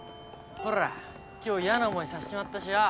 ほら今日やな思いさせちまったしよ。